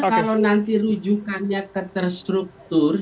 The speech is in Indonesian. artinya kalau nanti rujukannya keterstruktur